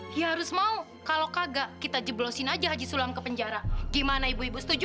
dia harus mau kalau kagak kita jeblosin aja haji sulang ke penjara gimana ibu ibu setuju